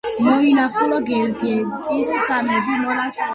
მოინახულა გერგეტის სამების მონასტერი.